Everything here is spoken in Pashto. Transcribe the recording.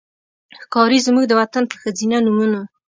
ښکاري زموږ د وطن په ښځېنه نومونو